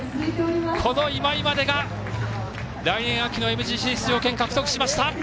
この今井までが来年秋のＭＧＣ出場権を獲得しました。